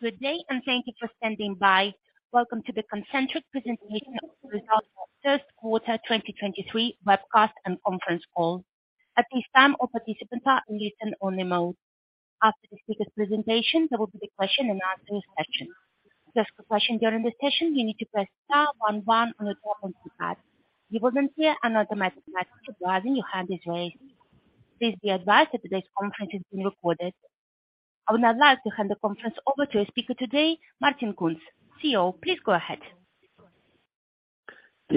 Good day. Thank you for standing by. Welcome to the Concentric presentation of results for first quarter 2023 webcast and conference call. At this time, all participants are in listen-only mode. After the speaker's presentation, there will be the question and answer session. To ask a question during the session, you need to press star one one on your telephone keypad. You will hear an automatic message advising your hand is raised. Please be advised that today's conference is being recorded. I would now like to hand the conference over to today’s speaker, Martin Kunz, CEO. Please go ahead.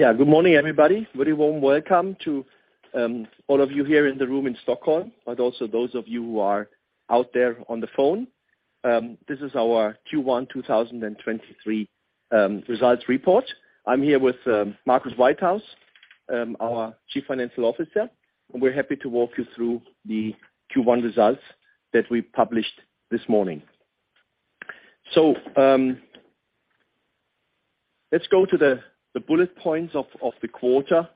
Yeah. Good morning, everybody. Very warm welcome to all of you here in the room in Stockholm, but also those of you who are out there on the phone. This is our Q1 2023 results report. I'm here with Marcus Whitehouse, our Chief Financial Officer, and we're happy to walk you through the Q1 results that we published this morning. Let's go to the bullet points of the quarter.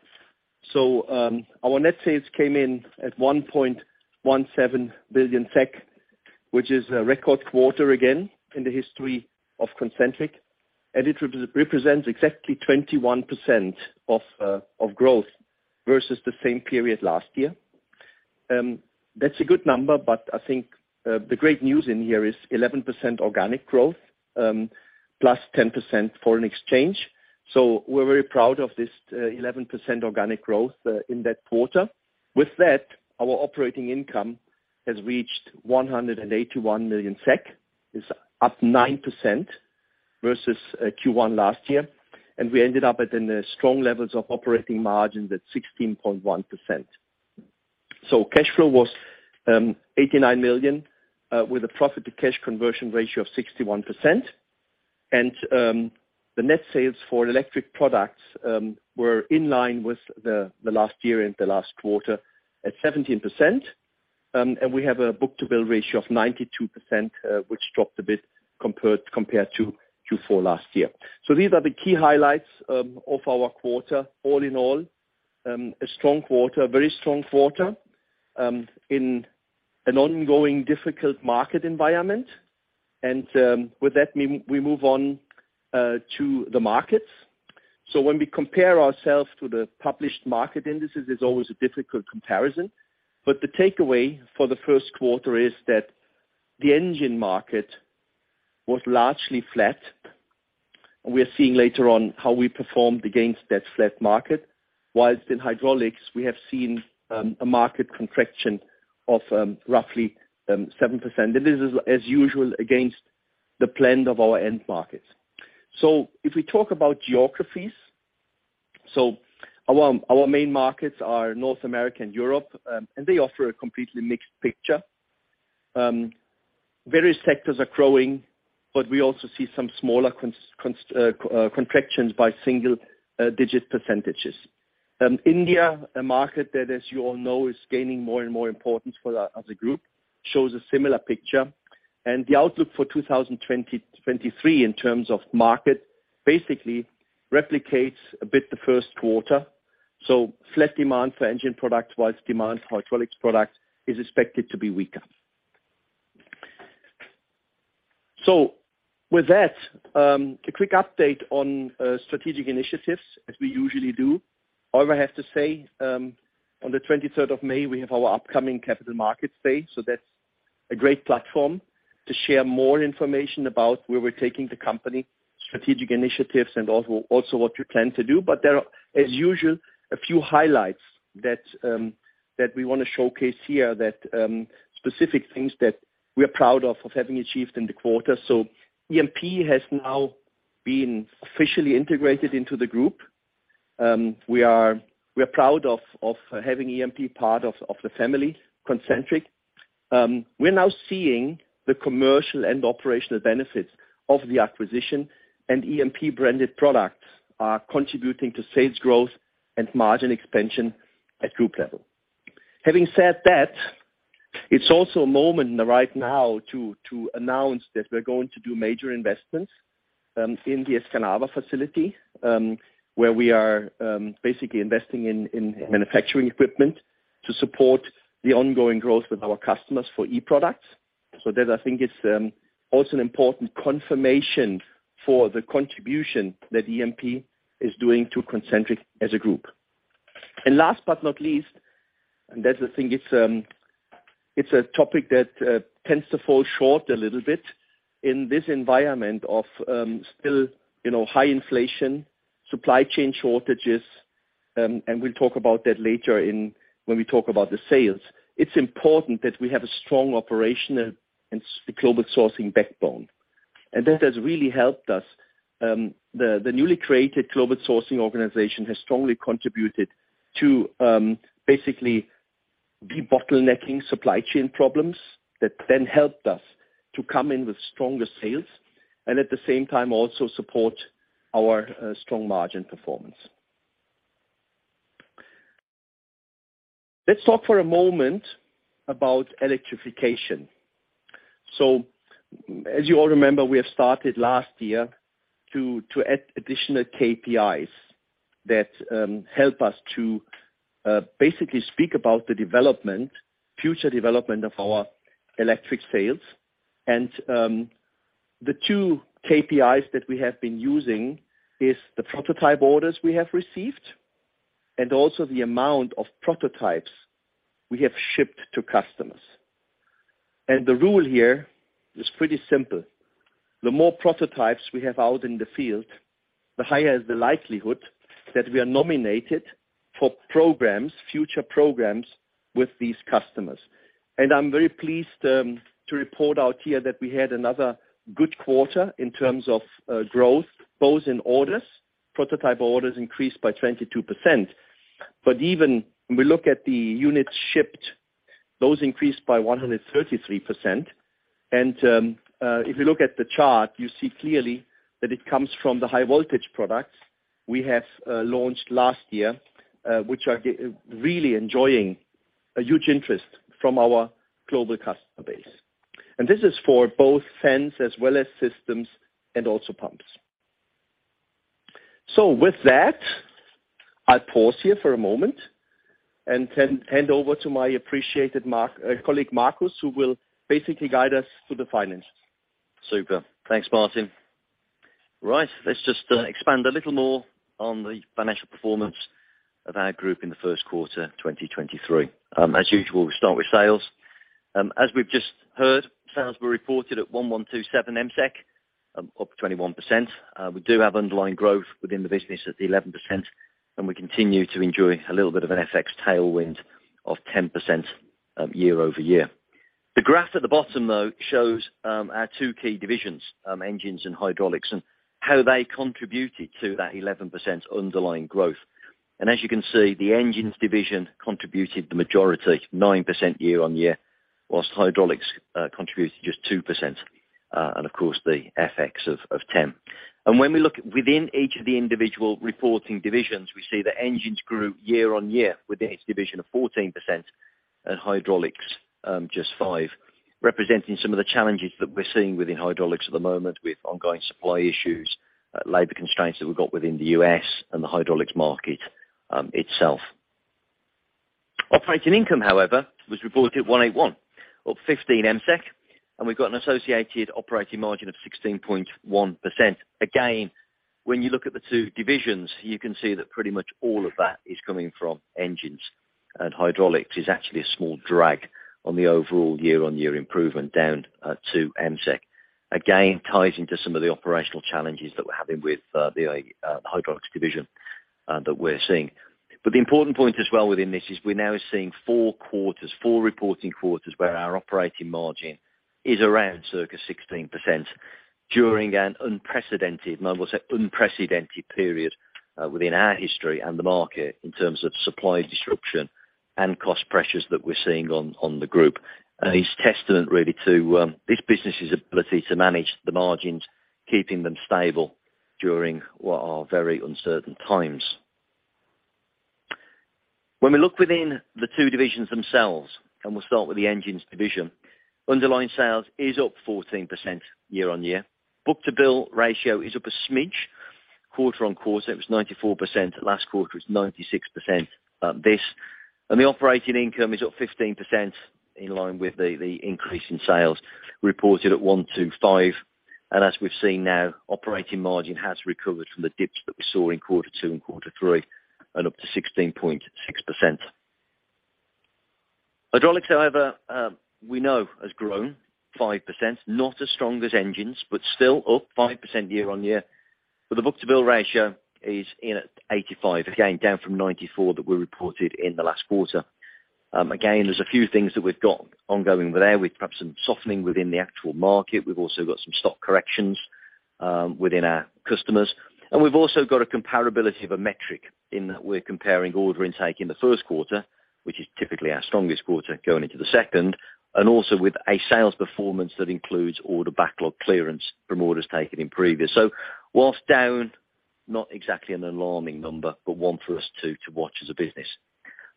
Our net sales came in at 1.17 billion SEK, which is a record quarter, again, in the history of Concentric, and it represents exactly 21% of growth versus the same period last year. That's a good number, but I think the great news in here is 11% organic growth, plus 10% foreign exchange. We're very proud of this 11% organic growth in that quarter. With that, our operating income has reached 181 million SEK, is up 9% versus Q1 last year. We ended up at a strong operating margin at 16.1%. Cash flow was 89 million with a profit to cash conversion ratio of 61%. The net sales for e-Products were in line with the last year and the last quarter at 17%. We have a book-to-bill ratio of 92%, which dropped a bit compared to Q4 last year. These are the key highlights of our quarter. All in all, a strong quarter, very strong quarter in an ongoing difficult market environment. With that, we move on to the markets. When we compare ourselves to the published market indices, there's always a difficult comparison. The takeaway for the first quarter is that the engine market was largely flat. We are seeing later on how we performed against that flat market. Whilst in hydraulics, we have seen a market contraction of roughly 7%. This is as usual against the plan of our end markets. If we talk about geographies, our main markets are North America and Europe, and they offer a completely mixed picture. Various sectors are growing, but we also see some smaller contractions by single digit percentages. India, a market that as you all know is gaining more and more importance for the, as a group, shows a similar picture. The outlook for 2023 in terms of market basically replicates a bit the first quarter. Flat demand for engine products whilst demand for hydraulics product is expected to be weaker. With that, a quick update on strategic initiatives as we usually do. However, I have to say, on the 23rd of May, we have our upcoming Capital Markets Day, so that's a great platform to share more information about where we're taking the company, strategic initiatives and also what we plan to do. There are, as usual, a few highlights that we wanna showcase here, that specific things that we are proud of having achieved in the quarter. EMP has now been officially integrated into the group. We are proud of having EMP part of the family, Concentric. We're now seeing the commercial and operational benefits of the acquisition, and EMP-branded products are contributing to sales growth and margin expansion at group level. Having said that, it's also a moment right now to announce that we're going to do major investments in the Escanaba facility, where we are basically investing in manufacturing equipment to support the ongoing growth with our customers for e-Products. That I think is also an important confirmation for the contribution that EMP is doing to Concentric as a group. Last but not least, and that's the thing, it's a topic that tends to get less attention in this environment of, still, you know, high inflation, supply chain shortages, and we'll talk about that later in when we talk about the sales. It's important that we have a strong operational and global sourcing backbone. That has really helped us. The newly created global sourcing organization has strongly contributed to basically de-bottlenecking supply chain problems that then helped us to come in with stronger sales and at the same time also support our strong margin performance. Let's talk for a moment about electrification. As you all remember, we have started last year to add additional KPIs. That help us to basically speak about the future development of our electric sales. The two KPIs that we have been using are the prototype orders we have received and also the amount of prototypes we have shipped to customers. The rule here is pretty simple. The more prototypes we have out in the field, the higher is the likelihood that we are nominated for programs, future programs with these customers. I'm very pleased to report out here that we had another good quarter in terms of growth, both in orders, prototype orders increased by 22%. Even when we look at the units shipped, those increased by 133%. If you look at the chart, you see clearly that it comes from the high voltage products we have launched last year, which are really enjoying a huge interest from our global customer base. This is for both fans as well as systems and also pumps. With that, I pause here for a moment and hand over to my colleague, Marcus, who will basically guide us through the finances. Super. Thanks, Martin. Right. Let's just expand a little more on the financial performance of our group in the first quarter, 2023. As usual, we start with sales. As we've just heard, sales were reported at 1,170 MSEK, up 21%. We do have underlying growth within the business at 11%, and we continue to enjoy a little bit of an FX tailwind of 10% year-over-year. The graph at the bottom though shows our two key divisions, engines and hydraulics, and how they contributed to that 11% underlying growth. As you can see, the engines division contributed the majority, 9% year-on-year, whilst hydraulics contributed just 2%, and of course, the FX of 10%. When we look within each of the individual reporting divisions, we see that engines grew year-on-year within its division of 14% and hydraulics grew just 5%, representing some of the challenges that we're seeing within hydraulics at the moment with ongoing supply issues, labor constraints that we've got within the U.S. and the hydraulics market itself. Operating income, however, was reported at 181 or 15 MSEK, and we've got an associated operating margin of 16.1%. Again, when you look at the two divisions, you can see that pretty much all of that is coming from engines, and hydraulics is actually a small drag on the overall year-on-year improvement down to 2 MSEK. Again, ties into some of the operational challenges that we're having with the hydraulics division that we're seeing. The important point as well within this is we're now seeing 4 quarters, 4 reporting quarters where our operating margin is around 16% during an unprecedented, and I will say, unprecedented period, within our history and the market in terms of supply disruption and cost pressures that we're seeing on the group. It's testament really to this business's ability to manage the margins, keeping them stable during what are very uncertain times. When we look within the 2 divisions themselves, and we'll start with the engines division, underlying sales is up 14% year-on-year. Book-to-bill ratio increased slightly quarter-on-quarter. It was 94%. Last quarter it was 96%. The operating income is up 15% in line with the increase in sales reported at MSEK 125. As we've seen now, operating margin has recovered from the dips that we saw in quarter two and quarter three and up to 16.6%. Hydraulics, however, we know has grown 5%, not as strong as engines, but still up 5% year-on-year. The book-to-bill ratio is in at 85, again, down from 94 that we reported in the last quarter. Again, there's a few things that we've got ongoing there. We've perhaps some softening within the actual market. We've also got some stock corrections within our customers. We've also got a comparability of a metric in that we're comparing order intake in the first quarter, which is typically our strongest quarter going into the second, and also with a sales performance that includes order backlog clearance from orders taken in previous. Whilst down, not exactly an alarming number, but one for us to watch as a business.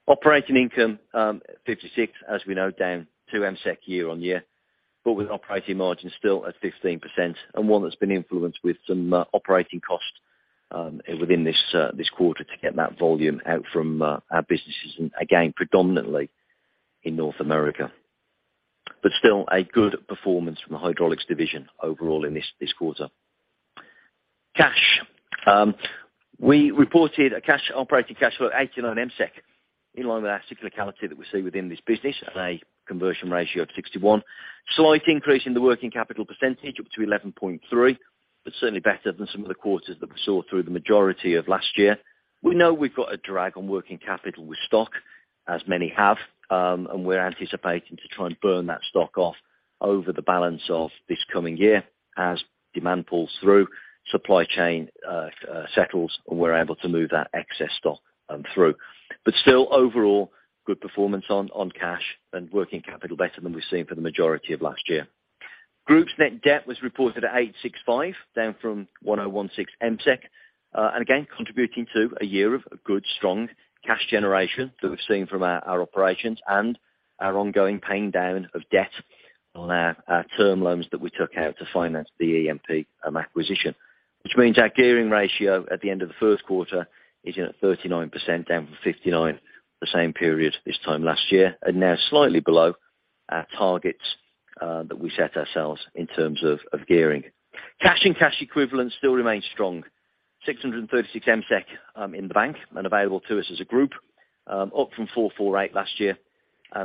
Operating income, 56, as we know, down 2 MSEK year-on-year, but with operating margins still at 15% and one that's been influenced with some operating costs within this quarter to get that volume out from our businesses and again, predominantly in North America. Still a good performance from the hydraulics division overall in this quarter. Cash. We reported operating cash flow 89 MSEK, in line with our cyclicality that we see within this business at a conversion ratio of 61%. Slight increase in the working capital percentage up to 11.3%, certainly better than some of the quarters that we saw through the majority of last year. We know we've got a drag on working capital with stock, as many have, and we're anticipating to try and burn that stock off over the balance of this coming year as demand pulls through, supply chain settles, and we're able to move that excess stock through. Still overall, good performance on cash and working capital better than we've seen for the majority of last year. Group's net debt was reported at 865 MSEK, down from 1,016 MSEK. Contributing to a year of a good strong cash generation that we've seen from our operations and our ongoing paying down of debt. On our term loans that we took out to finance the EMP acquisition, which means our gearing ratio at the end of the first quarter is at 39%, down from 59 the same period this time last year. Slightly below our targets that we set ourselves in terms of gearing. Cash and cash equivalents still remain strong. 636 MSEK in the bank and available to us as a group, up from 448 MSEK last year.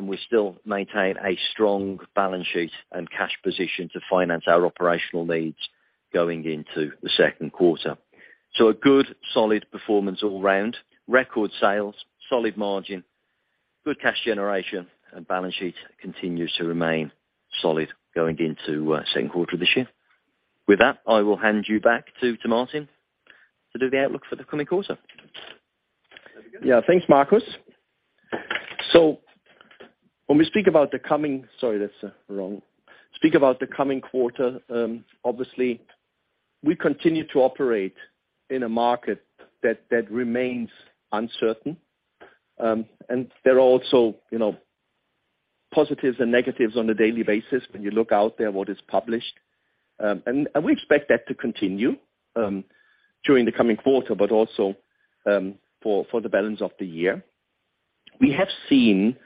We still maintain a strong balance sheet and cash position to finance our operational needs going into the second quarter. A good solid performance all round. Record sales, solid margin, good cash generation and balance sheet continues to remain solid going into second quarter of this year. With that, I will hand you back to Martin to do the outlook for the coming quarter. Yeah. Thanks, Marcus. Sorry, that's wrong. Speak about the coming quarter, obviously we continue to operate in a market that remains uncertain. There are also, you know, positives and negatives on a daily basis when you look out there, what is published. We expect that to continue during the coming quarter but also for the balance of the year. We have seen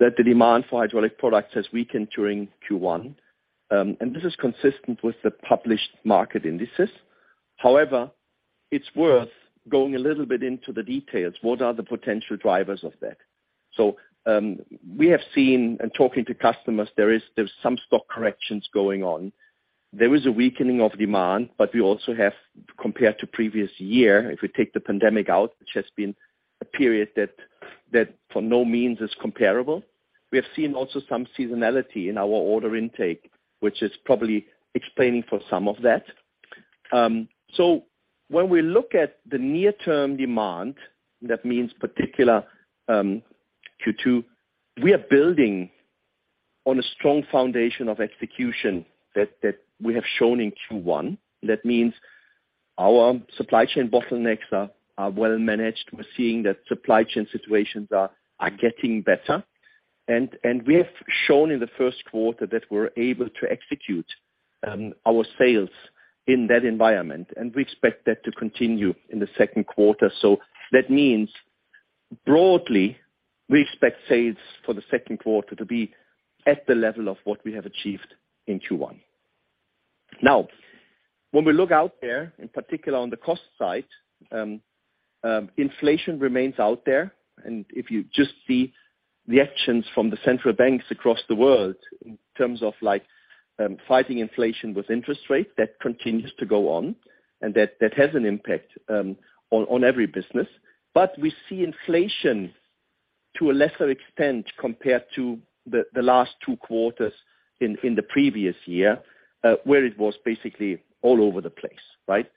that the demand for hydraulic products has weakened during Q1, and this is consistent with the published market indices. However, it's worth going a little bit into the details. What are the potential drivers of that? We have seen, in talking to customers there's some stock corrections going on. There is a weakening of demand, but we also have compared to previous year, if we take the pandemic out, which has been a period that for no means is comparable. We have seen also some seasonality in our order intake, which is probably explaining for some of that. When we look at the near-term demand, that means particular Q2, we are building on a strong foundation of execution that we have shown in Q1. That means our supply chain bottlenecks are well managed. We're seeing that supply chain situations are getting better. We have shown in the first quarter that we're able to execute our sales in that environment, and we expect that to continue in the second quarter. That means broadly, we expect sales for the second quarter to be at the level of what we have achieved in Q1. When we look out there, in particular on the cost side, inflation remains out there. If you just see the actions from the central banks across the world in terms of like, fighting inflation with interest rates, that continues to go on, and that has an impact on every business. We see inflation to a lesser extent compared to the last two quarters in the previous year, where it was basically all over the place, right?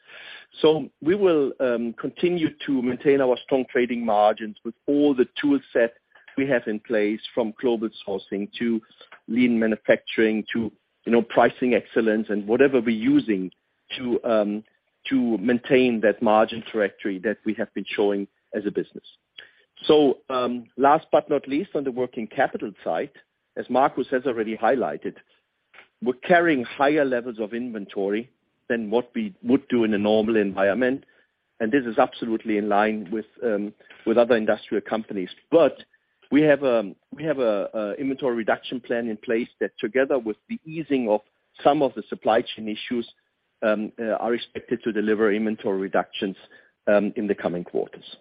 We will continue to maintain our strong trading margins with all the tool set we have in place from global sourcing to lean manufacturing to, you know, pricing excellence and whatever we're using to maintain that margin trajectory that we have been showing as a business. Last but not least, on the working capital side, as Marcus has already highlighted, we're carrying higher levels of inventory than what we would do in a normal environment, and this is absolutely in line with other industrial companies. We have an inventory reduction plan in place that together with the easing of some of the supply chain issues are expected to deliver inventory reductions in the coming quarters.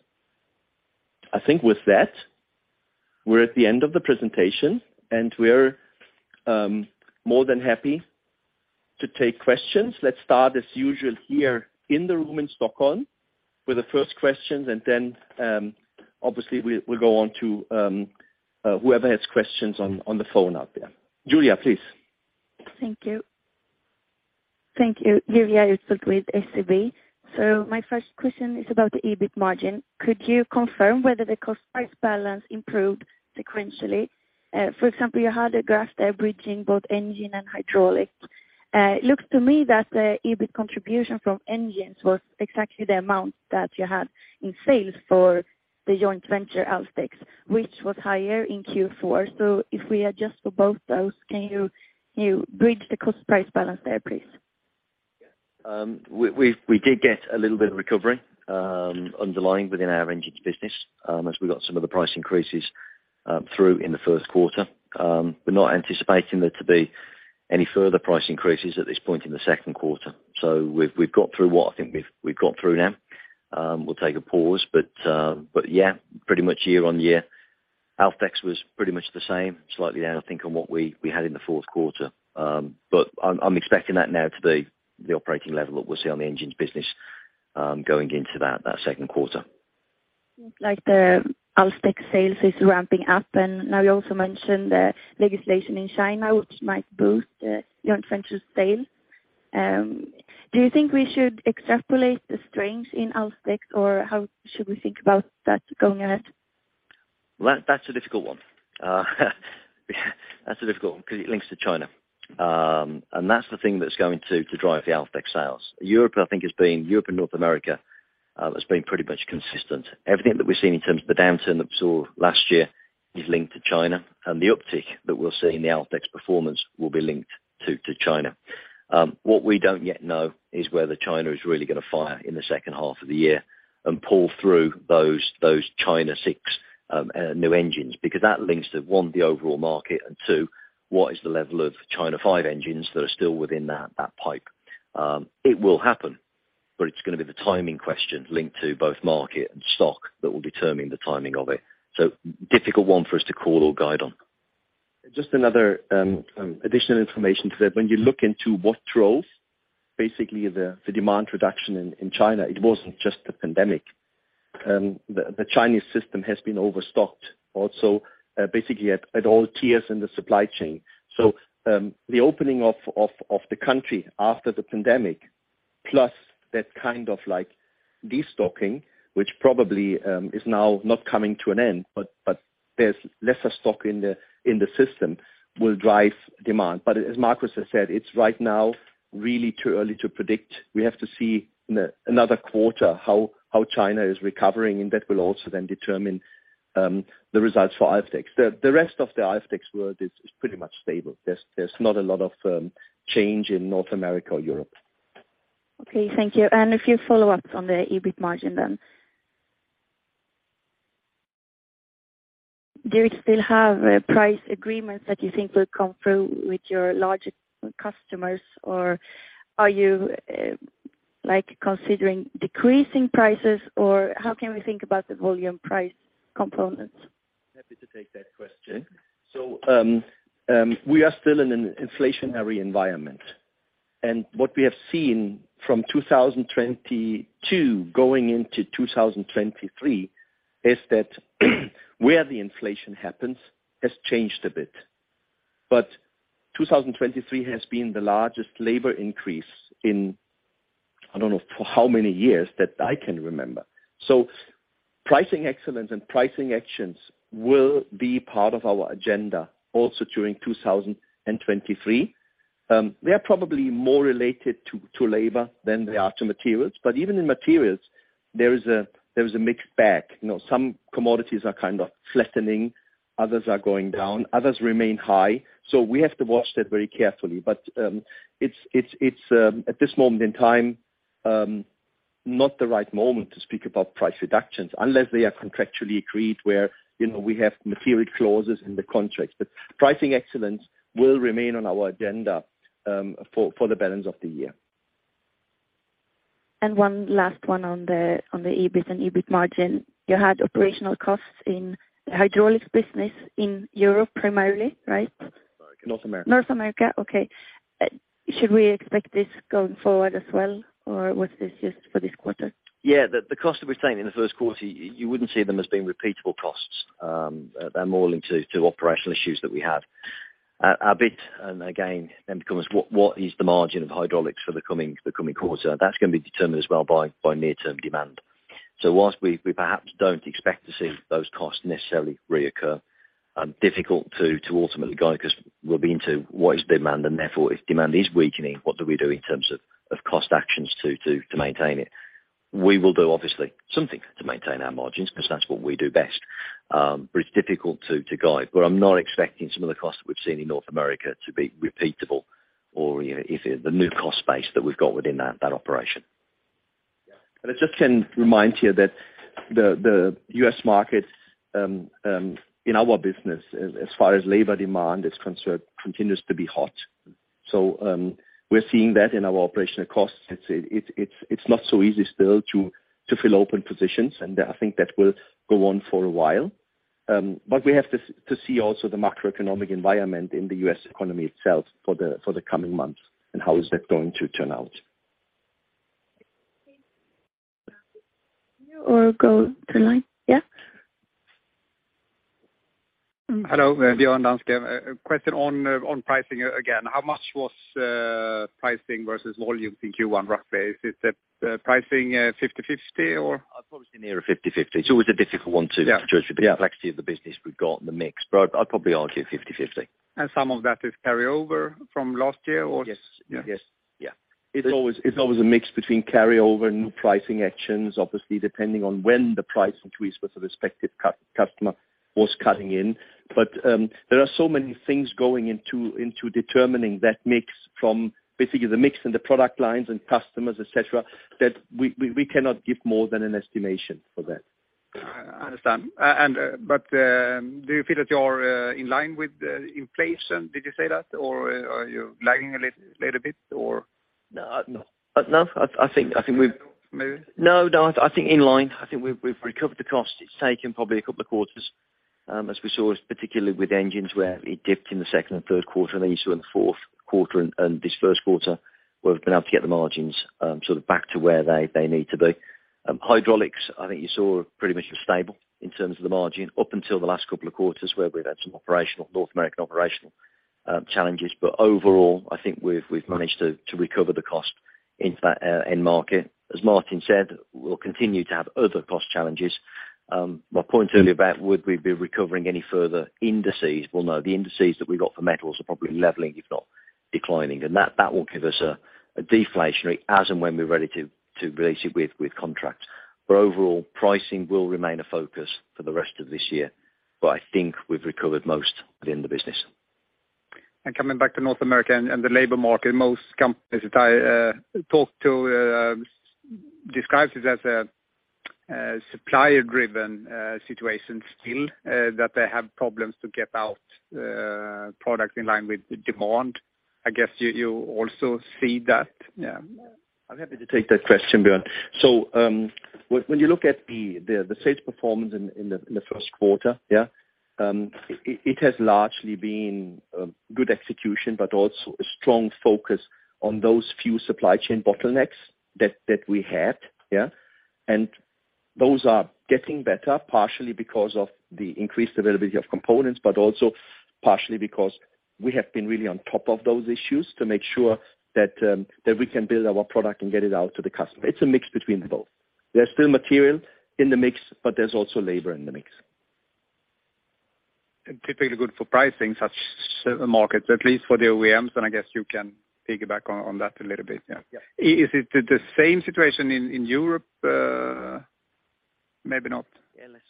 I think with that, we're at the end of the presentation, and we're more than happy to take questions. Let's start as usual here in the room in Stockholm with the first questions, and then, obviously we'll go on to, whoever has questions on the phone out there. Julia, please. Thank you. Thank you. Julia Utbult with SEB. My first question is about the EBIT margin. Could you confirm whether the cost price balance improved sequentially? For example, you had a graph there bridging both engine and hydraulic. It looks to me that the EBIT contribution from engines was exactly the amount that you had in sales for the joint venture Alfdex, which was higher in Q4. If we adjust for both those, can you bridge the cost price balance there, please? We did get a little bit of recovery, underlying within our engines business, as we got some of the price increases through in the first quarter. We're not anticipating there to be any further price increases at this point in the second quarter. We've got through what I think we've got through now. We'll take a pause, yeah, pretty much year-on-year. Alfdex was pretty much the same, slightly down, I think, on what we had in the fourth quarter. I'm expecting that now to be the operating level that we'll see on the engines business, going into that second quarter. Like the Alfdex sales is ramping up, and now you also mentioned the legislation in China, which might boost the joint venture sale. Do you think we should extrapolate the strength in Alfdex, or how should we think about that going ahead? Well, that's a difficult one. That's a difficult one because it links to China. That's the thing that's going to drive the Alfdex sales. Europe, I think, Europe and North America, that's been pretty much consistent. Everything that we've seen in terms of the downturn that we saw last year is linked to China and the uptick that we'll see in the Alfdex performance will be linked to China. What we don't yet know is whether China is really gonna fire in the second half of the year and pull through those China 6 new engines because that links to one, the overall market and two, what is the level of China V engines that are still within that pipe. It will happen, but it's gonna be the timing question linked to both market and stock that will determine the timing of it. Difficult one for us to call or guide on. Just another additional information to that. When you look into what drove basically the demand reduction in China, it wasn't just the pandemic. The Chinese system has been overstocked also, basically at all tiers in the supply chain. The opening of the country after the pandemic plus that kind of like de-stocking, which probably is now not coming to an end, but there's lesser stock in the system will drive demand. As Marcus has said, it's right now really too early to predict. We have to see in another quarter how China is recovering, and that will also then determine the results for Alfdex. The rest of the Alfdex world is pretty much stable. There's not a lot of change in North America or Europe. Okay. Thank you. A few follow-ups on the EBIT margin then. Do you still have price agreements that you think will come through with your larger customers? Are you like considering decreasing prices, or how can we think about the volume price components? Happy to take that question. We are still in an inflationary environment, what we have seen from 2022 going into 2023 is that where the inflation happens has changed a bit. 2023 has been the largest labor increase in, I don't know for how many years that I can remember. Pricing excellence and pricing actions will be part of our agenda also during 2023. They are probably more related to labor than they are to materials, even in materials, there is a mixed bag. You know, some commodities are kind of flattening, others are going down, others remain high. We have to watch that very carefully. It's at this moment in time, not the right moment to speak about price reductions unless they are contractually agreed where, you know, we have material clauses in the contracts. Pricing excellence will remain on our agenda, for the balance of the year. One last one on the EBIT and EBIT margin? You had operational costs in the hydraulics business in Europe primarily, right? North America. North America. Okay. Should we expect this going forward as well, or was this just for this quarter? The cost that we're seeing in the first quarter, you wouldn't see them as being repeatable costs. They're more linked to operational issues that we have. A bit and again, then becomes what is the margin of hydraulics for the coming quarter? That's gonna be determined as well by near-term demand. Whilst we perhaps don't expect to see those costs necessarily reoccur, difficult to ultimately guide 'cause we'll be into what is demand and therefore if demand is weakening, what do we do in terms of cost actions to maintain it? We will do obviously something to maintain our margins 'cause that's what we do best. It's difficult to guide. I'm not expecting some of the costs that we've seen in North America to be repeatable or, you know, the new cost base that we've got within that operation. I just can remind here that the U.S. market, in our business as far as labor demand is concerned, continues to be hot. We're seeing that in our operational costs. It's not so easy still to fill open positions, and I think that will go on for a while. We have to see also the macroeconomic environment in the U.S. economy itself for the coming months and how is that going to turn out. Go to line. Yeah. Hello. Mm-hmm. Danske Bank. A question on pricing again. How much was pricing versus volume in Q1 roughly? Is it pricing 50/50 or? Probably near 50/50. It's always a difficult one. Yeah. to judge the complexity of the business we've got and the mix, but I'd probably argue 50/50. Some of that is carryover from last year or? Yes. Yes. Yeah. It's always a mix between carryover and new pricing actions, obviously, depending on when the price increase with the respective customer was cutting in. There are so many things going into determining that mix from basically the mix and the product lines and customers, et cetera, that we cannot give more than an estimation for that. I understand. Do you feel that you're in line with the inflation? Did you say that, or are you lagging a little bit or? No. No. I think we've- Maybe. No, no. I think in line. I think we've recovered the cost. It's taken probably a couple of quarters, as we saw, particularly with engines where it dipped in the second and third quarter, and then you saw in the fourth quarter and this first quarter where we've been able to get the margins, sort of back to where they need to be. Hydraulics, I think you saw pretty much was stable in terms of the margin up until the last couple of quarters where we've had some North American operational challenges. Overall, I think we've managed to recover the cost into that end market. As Martin said, we'll continue to have other cost challenges. My point earlier about would we be recovering any further indices? No, the indices that we've got for metals are probably leveling if not declining, that will give us a deflationary as and when we're ready to release it with contracts. Overall, pricing will remain a focus for the rest of this year. I think we've recovered most within the business. Coming back to North America and the labor market, most companies that I talked to describes it as a supplier-driven situation still that they have problems to get out product in line with the demand. I guess you also see that, yeah. I'm happy to take that question, Olof Larshammar. When you look at the sales performance in the first quarter, it has largely been good execution, but also a strong focus on those few supply chain bottlenecks that we had. Those are getting better, partially because of the increased availability of components, but also partially because we have been really on top of those issues to make sure that we can build our product and get it out to the customer. It's a mix between both. There's still material in the mix, but there's also labor in the mix. Typically good for pricing such markets, at least for the OEMs. I guess you can piggyback on that a little bit, yeah. Yeah. Is it the same situation in Europe? Maybe not.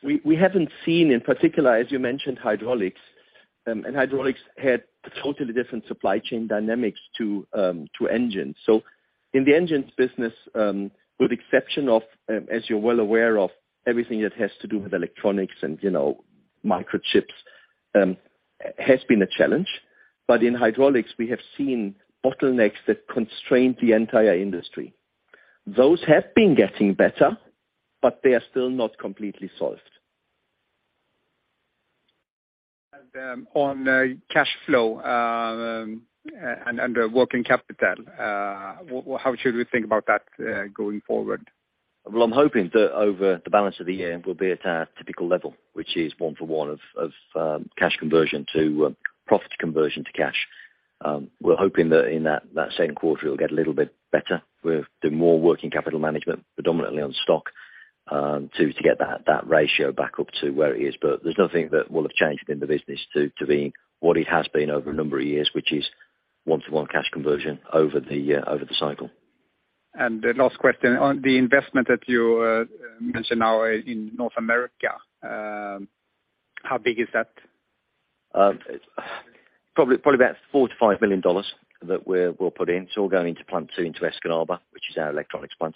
We haven't seen in particular, as you mentioned, hydraulics. Hydraulics had totally different supply chain dynamics to engines. In the engines business, with exception of, as you're well aware of, everything that has to do with electronics and, you know, microchips, has been a challenge. In hydraulics, we have seen bottlenecks that constrained the entire industry. Those have been getting better, but they are still not completely solved. On cash flow, and under working capital, how should we think about that going forward? I'm hoping that over the balance of the year we'll be at our typical level, which is one for one of cash conversion to profit conversion to cash. We're hoping that in that second quarter it'll get a little bit better. We're doing more working capital management, predominantly on stock, to get that ratio back up to where it is. There's nothing that will have changed in the business to being what it has been over a number of years, which is one-to-one cash conversion over the cycle. The last question on the investment that you mentioned now in North America, how big is that? Probably about $4 million-$5 million that we're putting. It's all going into plant two into Escanaba, which is our electronics plant.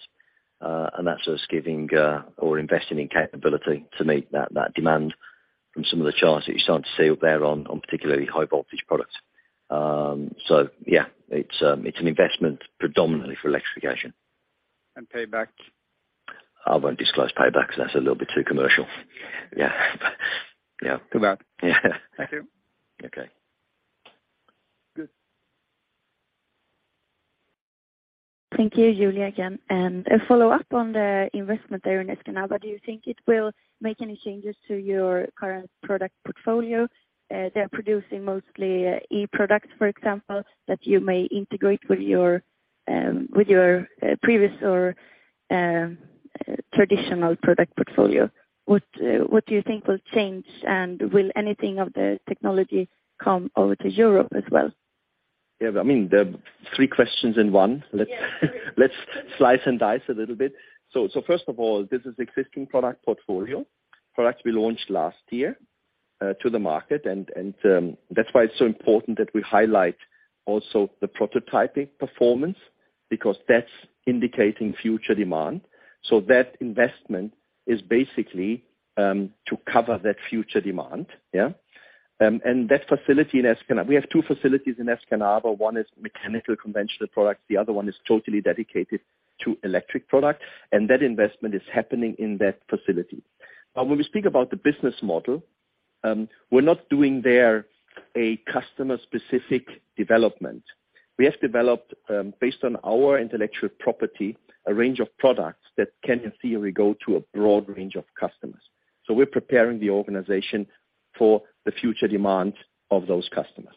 That's us giving or investing in capability to meet that demand from some of the charts that you're starting to see out there on particularly high voltage products. Yeah, it's an investment predominantly for electrification. Payback? I won't disclose payback 'cause that's a little bit too commercial. Yeah. Yeah. Yeah. Too bad. Yeah. Thank you. Okay. Good. Thank you. Julia again. A follow-up on the investment there in Escanaba, do you think it will make any changes to your current product portfolio? They're producing mostly e-Products, for example, that you may integrate with your previous or traditional product portfolio. What do you think will change, and will anything of the technology come over to Europe as well? Yeah, I mean, the three questions in one. Yeah, sorry. Let's slice and dice a little bit. First of all, this is existing product portfolio. Products we launched last year to the market. That's why it's so important that we highlight also the prototyping performance because that's indicating future demand. That investment is basically to cover that future demand, yeah. That facility in Escanaba. We have two facilities in Escanaba. One is mechanical conventional products, the other one is totally dedicated to electric products, and that investment is happening in that facility. When we speak about the business model, we're not doing there a customer-specific development. We have developed, based on our intellectual property, a range of products that can in theory go to a broad range of customers. We're preparing the organization for the future demands of those customers.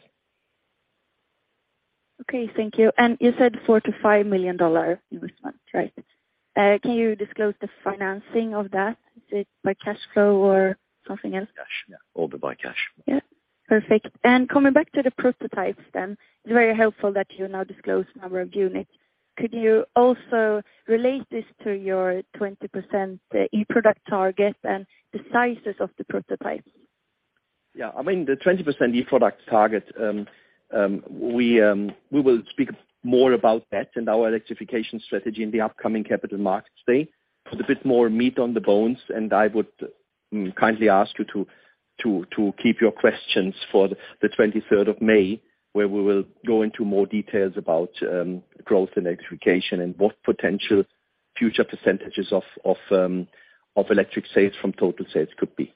Okay, thank you. You said $4 million-$5 million investment, right? Can you disclose the financing of that? Is it by cash flow or something else? Cash. Yeah. All by cash. Yeah. Perfect. Coming back to the prototypes, it's very helpful that you now disclose number of units. Could you also relate this to your 20% e-Product target and the sizes of the prototypes? I mean, the 20% e-Products target, we will speak more about that and our electrification strategy in the upcoming Capital Markets Day. Put a bit more meat on the bones, I would kindly ask you to keep your questions for the 23rd of May, where we will go into more details about growth and electrification and what potential future percentages of electric sales from total sales could be.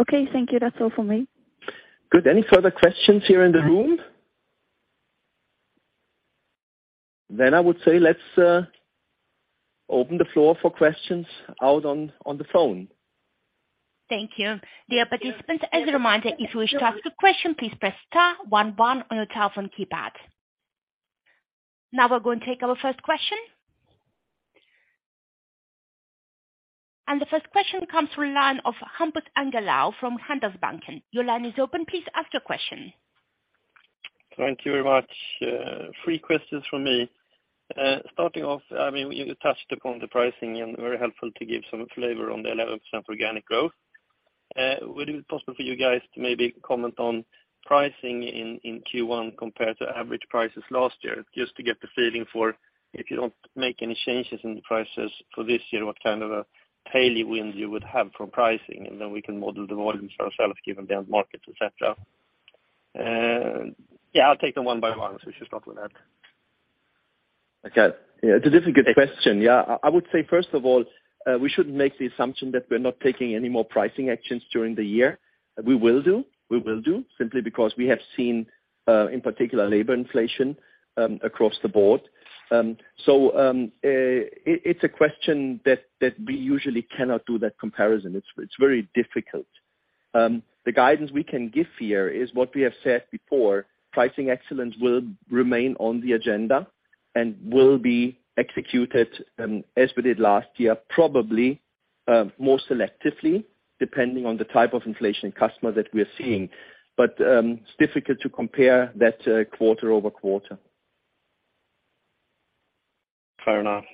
Okay, thank you. That's all for me. Good. Any further questions here in the room? I would say let's open the floor for questions out on the phone. Thank you. Dear participants, as a reminder, if you wish to ask a question, please press star one one on your telephone keypad. Now we're going to take our first question. The first question comes from line of Hampus Engellau from Handelsbanken. Your line is open, please ask your question. Thank you very much. Three questions from me. Starting off, I mean, you touched upon the pricing and very helpful to give some flavor on the 11% organic growth. Would it be possible for you guys to maybe comment on pricing in Q1 compared to average prices last year? Just to get the feeling for if you don't make any changes in the prices for this year, what kind of a tailwind you would have from pricing, and then we can model the volumes ourselves given the end markets, et cetera. Yeah, I'll take them one by one. We should start with that. Okay. Yeah, it's a difficult question. Yeah. I would say, first of all, we shouldn't make the assumption that we're not taking any more pricing actions during the year. We will do, simply because we have seen in particular labor inflation across the board. So, it's a question that we usually cannot do that comparison. It's very difficult. The guidance we can give here is what we have said before, pricing excellence will remain on the agenda and will be executed as we did last year, probably more selectively, depending on the type of inflation customer that we're seeing. It's difficult to compare that quarter-over-quarter. Fair enough.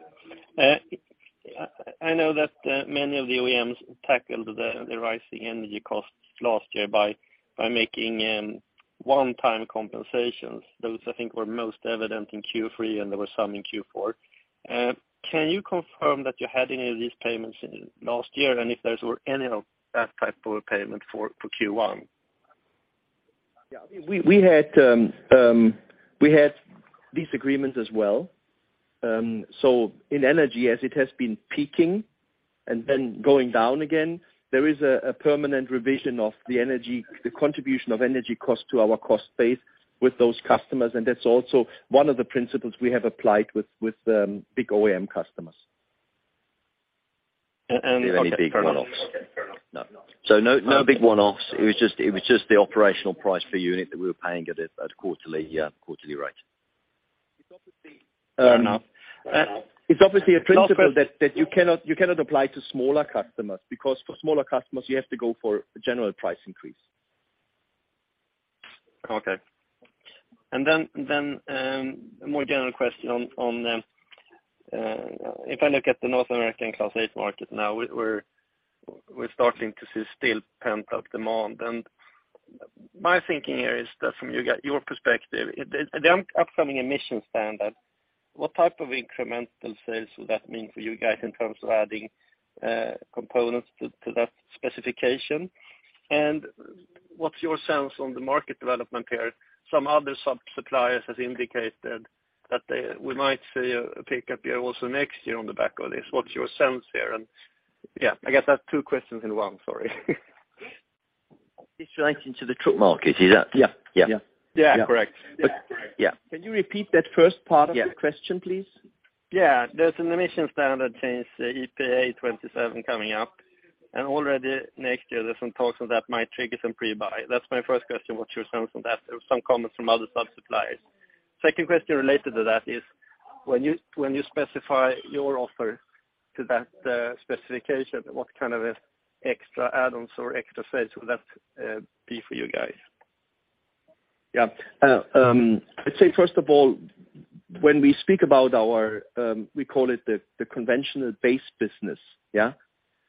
I know that many of the OEMs tackled the rising energy costs last year by making one-time compensations. Those I think were most evident in Q3 and there were some in Q4. Can you confirm that you had any of these payments in last year, and if there's any of that type of payment for Q1? Yeah. We had these agreements as well. In energy, as it has been peaking and then going down again, there is a permanent revision of the energy, the contribution of energy cost to our cost base with those customers, and that's also one of the principles we have applied with big OEM customers. And- There aren't any big one-offs. Okay. Fair enough. No. No, no big one-offs. It was just the operational price per unit that we were paying at a quarterly rate. Fair enough. It's obviously a principle that you cannot apply to smaller customers because for smaller customers you have to go for a general price increase. Okay. Then a more general question on, if I look at the North American Class 8 market now, we're starting to see still pent-up demand. My thinking here is that from your perspective, it, the upcoming emission standard, what type of incremental sales would that mean for you guys in terms of adding components to that specification? What's your sense on the market development here? Some other sub-suppliers has indicated that they, we might see a pickup here also next year on the back of this. What's your sense there? Yeah, I guess that's two questions in one, sorry. It's relating to the truck market, is that? Yeah. Yeah. Yeah. Correct. Yeah. Can you repeat that first part of the question, please? Yeah. There's an emission standard change, the EPA '27 coming up, and already next year there's some talks that might trigger some pre-buy. That's my first question, what's your sense on that? There was some comments from other sub-suppliers. Second question related to that is when you specify your offer to that specification, what kind of extra add-ons or extra sales will that be for you guys? Yeah. I'd say first of all, when we speak about our, we call it the conventional base business, yeah,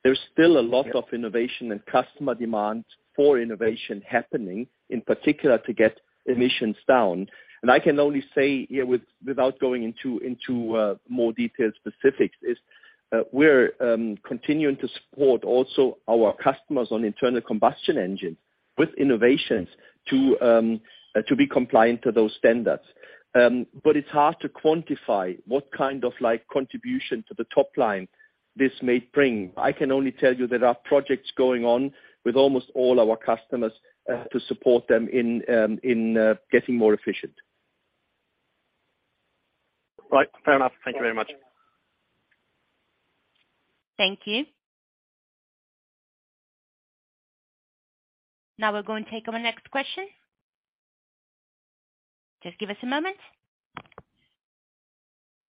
there's still a lot of innovation and customer demand for innovation happening, in particular to get emissions down. I can only say, you know, without going into more detailed specifics, is, we're continuing to support also our customers on internal combustion engines with innovations to be compliant to those standards. It's hard to quantify what kind of, like, contribution to the top line this may bring. I can only tell you there are projects going on with almost all our customers, to support them in getting more efficient. Right. Fair enough. Thank you very much. Thank you. Now we're going to take our next question. Just give us a moment.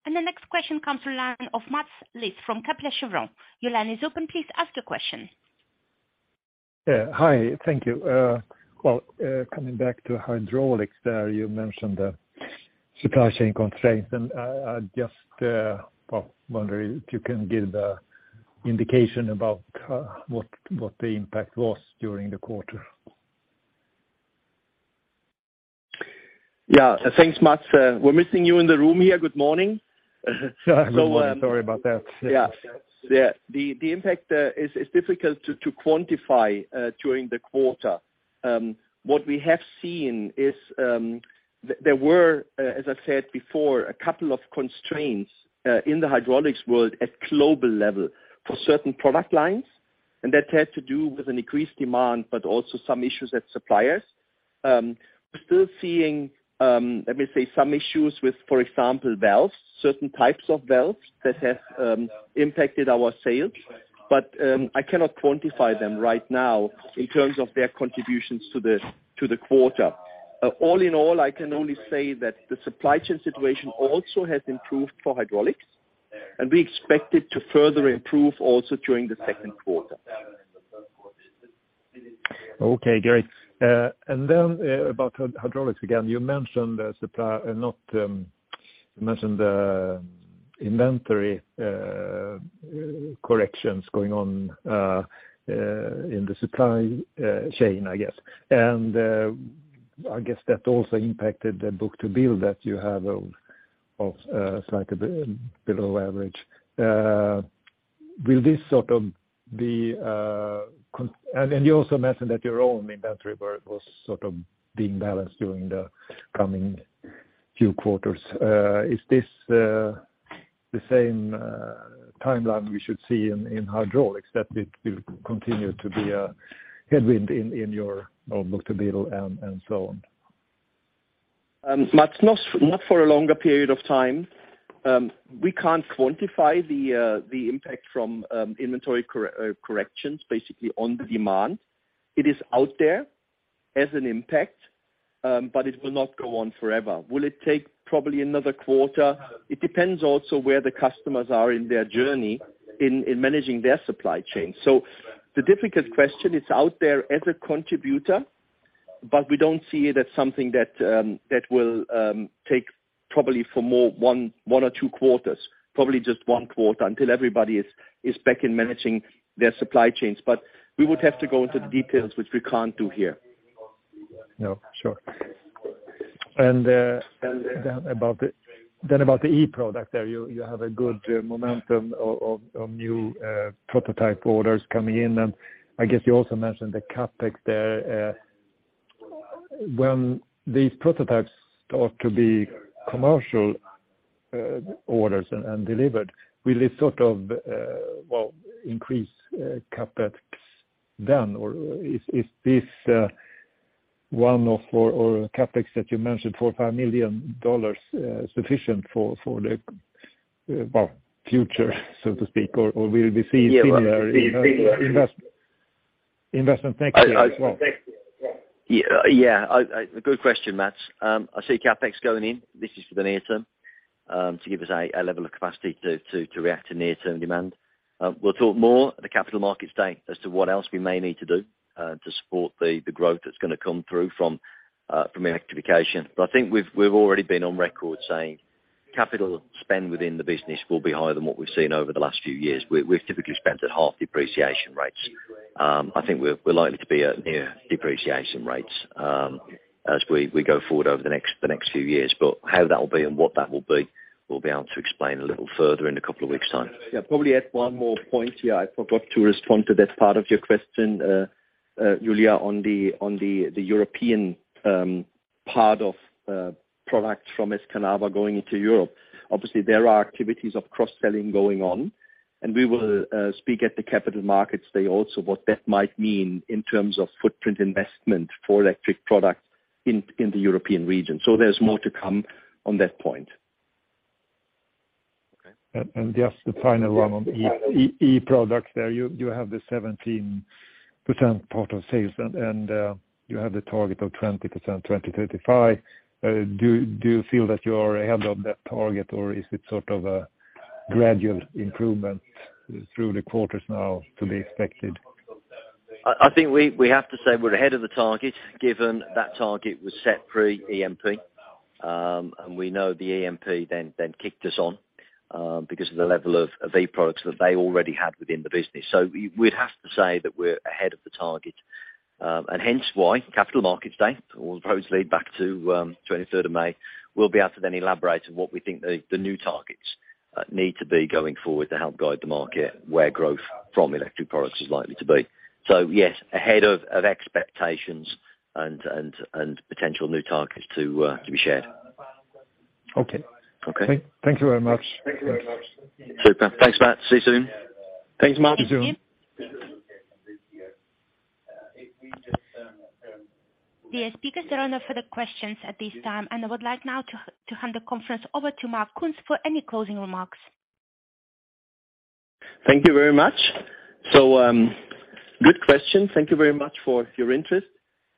The next question comes from line of Mats Liss from Kepler Cheuvreux. Your line is open, please ask your question. Yeah. Hi. Thank you. Well, coming back to hydraulics, you mentioned the supply chain constraints, I just, well, wondering if you can give a indication about what the impact was during the quarter. Yeah. Thanks, Mats. We're missing you in the room here. Good morning. Good morning. Sorry about that. The impact is difficult to quantify during the quarter. What we have seen is, there were, as I said before, a couple of constraints in the hydraulics world at global level for certain product lines, and that had to do with an increased demand, but also some issues at suppliers. We're still seeing, let me say, some issues with, for example, valves, certain types of valves that have impacted our sales, but I cannot quantify them right now in terms of their contributions to the quarter. All in all, I can only say that the supply chain situation also has improved for hydraulics, and we expect it to further improve also during the second quarter. Okay, great. Then, about hydraulics again. You mentioned the supply, not, you mentioned the inventory corrections going on in the supply chain, I guess. I guess that also impacted the book-to-bill that you have of slightly below average. Will this sort of be... You also mentioned that your own inventory build was sort of being balanced during the coming few quarters. Is this the same timeline we should see in hydraulics, that it will continue to be a headwind in your book-to-bill and so on? Mats, not for a longer period of time. We can't quantify the impact from inventory corrections, basically on the demand. It is out there as an impact, but it will not go on forever. Will it take probably another quarter? It depends also where the customers are in their journey in managing their supply chain. The difficult question, it's out there as a contributor, but we don't see it as something that will take probably for one or two quarters. Probably just one quarter until everybody is back in managing their supply chains. We would have to go into the details, which we can't do here. Yeah, sure. Then about the then about the e-Product there, you have a good momentum of new prototype orders coming in. I guess you also mentioned the CapEx there. When these prototypes start to be commercial orders and delivered, will it sort of, well, increase CapEx then? Is this CapEx that you mentioned, $4 million-$5 million, sufficient for the well, future, so to speak? Will we see similar investment? Yeah. Investment next year as well. Yeah. I. Good question, Mats. I see CapEx going in. This is for the near term, to give us a level of capacity to react to near-term demand. We'll talk more at the Capital Markets Day as to what else we may need to do to support the growth that's gonna come through from electrification. I think we've already been on record saying capital spend within the business will be higher than what we've seen over the last few years. We've typically spent at half depreciation rates. I think we're likely to be at near depreciation rates as we go forward over the next few years. How that will be and what that will be, we'll be able to explain a little further in a couple of weeks time. Yeah, probably add one more point here. I forgot to respond to that part of your question, Julia, on the, on the European part of product from Escanaba going into Europe. Obviously, there are activities of cross-selling going on, and we will speak at the Capital Markets Day also what that might mean in terms of footprint investment for electric products in the European region. There's more to come on that point. Okay. Just the final one on e-Product there. You have the 17% part of sales and you have the target of 20%, 2035. Do you feel that you're ahead of that target or is it sort of a gradual improvement through the quarters now to be expected? I think we have to say we're ahead of the target, given that target was set pre-EMP. We know the EMP then kicked us on because of the level of e-Products that they already had within the business. We'd have to say that we're ahead of the target, and hence why Capital Markets Day will probably lead back to 23rd of May. We'll be able to then elaborate on what we think the new targets need to be going forward to help guide the market where growth from electric products is likely to be. Yes, ahead of expectations and potential new targets to be shared. Okay. Okay. Thank you very much. Super. Thanks, Mats. See you soon. Thanks, Mats. See you soon. Dear speakers, there are no further questions at this time. I would like now to hand the conference over to Martin Kunz for any closing remarks. Thank you very much. Good question. Thank you very much for your interest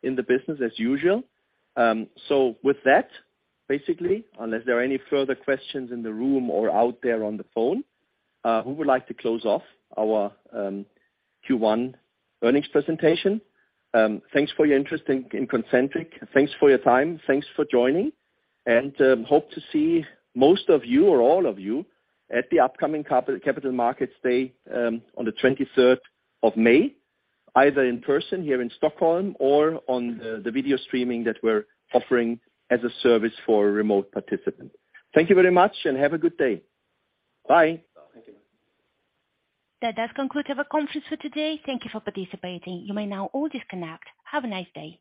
in the business as usual. With that, basically, unless there are any further questions in the room or out there on the phone, we would like to close off our Q1 earnings presentation. Thanks for your interest in Concentric. Thanks for your time. Thanks for joining and hope to see most of you or all of you at the upcoming Capital Markets Day on the 23rd of May, either in person here in Stockholm or on the video streaming that we're offering as a service for remote participants. Thank you very much and have a good day. Bye. That does conclude our conference for today. Thank you for participating. You may now all disconnect. Have a nice day.